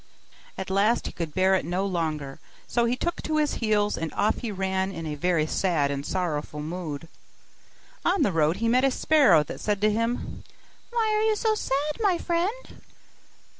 At last he could bear it no longer; so he took to his heels, and off he ran in a very sad and sorrowful mood. On the road he met a sparrow that said to him, 'Why are you so sad, my friend?